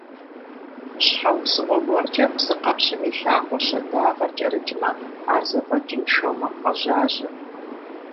Щхьэусыгъуэ гуэркӀэ псыкъэпщым и лъакъуэ щэдагъэр кӀэрыкӀмэ, ар зэфӀэкӀыншэу мэпӀэжьажьэ.